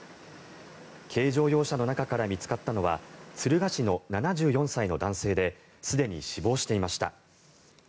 軽乗用車の中から見つかったのは敦賀市の７４歳の男性ですでに死亡していました。